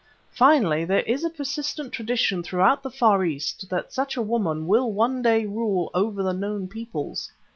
Finally, there is a persistent tradition throughout the Far East that such a woman will one day rule over the known peoples.